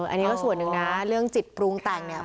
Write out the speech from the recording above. อันนี้ก็ส่วนหนึ่งนะเรื่องจิตปรุงแต่งเนี่ย